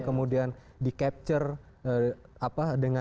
kemudian di capture